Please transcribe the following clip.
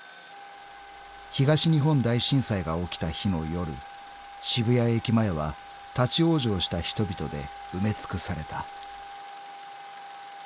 ［東日本大震災が起きた日の夜渋谷駅前は立ち往生した人々で埋め尽くされた］